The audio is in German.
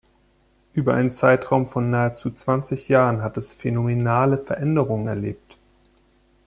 Über einen Zeitraum von nahezu zwanzig Jahren hat es phänomenale Veränderungen erlebt.